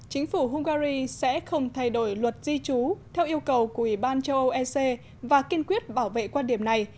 chính phủ hungary sẽ không thay đổi luật di trú theo yêu cầu của ủy ban châu âu ec và kiên quyết bảo vệ quan điểm này